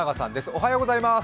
おはようございます。